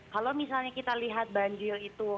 kalau misalnya kita lihat banjir itu